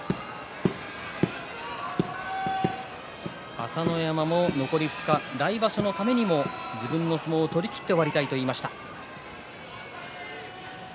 朝乃山も残り２日来場所のためにも自分の相撲を取りきって終わりたいと言っていました。